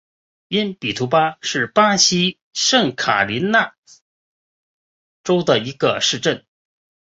因比图巴是巴西圣卡塔琳娜州的一个市镇。